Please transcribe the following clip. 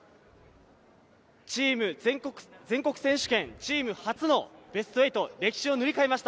全国選手権、チーム初のベスト８、歴史を塗り替えました。